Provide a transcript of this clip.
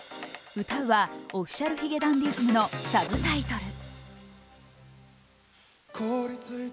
歌うはＯｆｆｉｃｉａｌ髭男ｄｉｓｍの「Ｓｕｂｔｉｔｌｅ」。